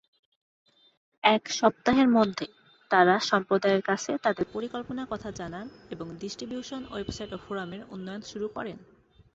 এক সপ্তাহের মধ্যেই তারা সম্প্রদায়ের কাছে তাদের পরিকল্পনার কথা জানান, এবং ডিস্ট্রিবিউশন, ওয়েবসাইট ও ফোরামের উন্নয়ন শুরু করেন।